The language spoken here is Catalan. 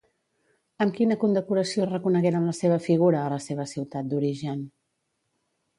Amb quina condecoració reconegueren la seva figura a la seva ciutat d'origen?